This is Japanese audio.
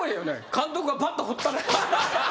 監督がバット放ったら。